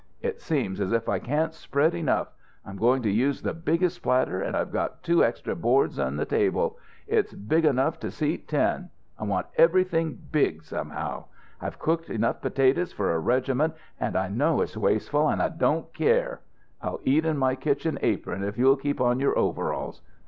"It seems as if I can't spread enough. I'm going to use the biggest platter, and I've got two extra boards in the table. It's big enough to seat ten. I want everything big somehow. I've cooked enough potatoes for a regiment, and I know it's wasteful, and I don't care. I'll eat in my kitchen apron, if you'll keep on your overalls.